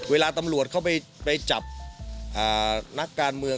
เวลาตำรวจเข้าไปจับนักการเมือง